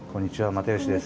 又吉です。